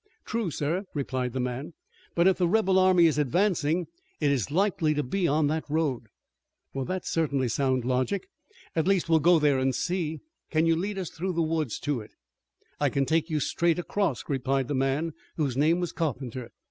"True, sir," replied the man, "but if the rebel army is advancing it is likely to be on that road." "That is certainly sound logic. At least we'll go there and see. Can you lead us through these woods to it?" "I can take you straight across," replied the man whose name was Carpenter.